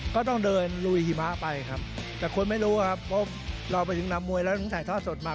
ก็ต้องเดินลุยหิมะไปครับแต่คนไม่รู้ครับเพราะเราไปถึงนำมวยแล้วถึงถ่ายทอดสดมา